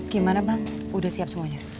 gimana bang udah siap semuanya